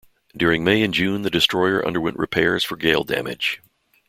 During May and June, the destroyer underwent repairs for gale damage.